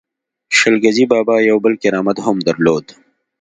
شل ګزی بابا یو بل کرامت هم درلود.